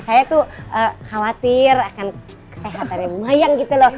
saya tuh khawatir akan kesehatannya bu mayang gitu loh